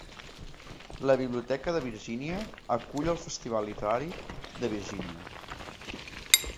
La biblioteca de Virgínia acull el festival literari de Virgínia.